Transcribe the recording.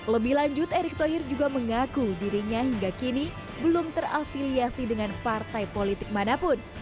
lebih lanjut erick thohir juga mengaku dirinya hingga kini belum terafiliasi dengan partai politik manapun